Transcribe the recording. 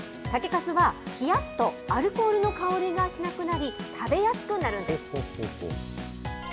酒かすは冷やすとアルコールの香りがしなくなり、食べやすくなるんです。